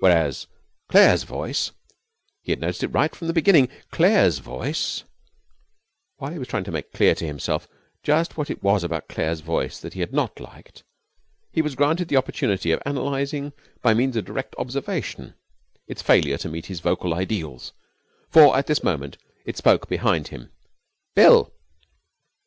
Whereas Claire's voice he had noticed it right from the beginning Claire's voice While he was trying to make clear to himself just what it was about Claire's voice that he had not liked he was granted the opportunity of analysing by means of direct observation its failure to meet his vocal ideals, for at this moment it spoke behind him. 'Bill!'